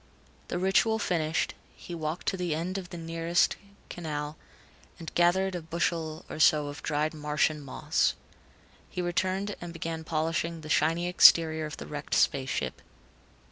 The ritual finished, he walked to the edge of the nearest canal, and gathered a bushel or so of dried Martian moss. He returned and began polishing the shiny exterior of the wrecked space ship.